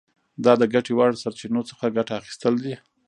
دا د ګټې وړ سرچینو څخه ګټه اخیستل دي.